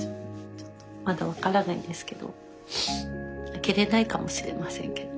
ちょっとまだ分からないですけど開けれないかもしれませんけど。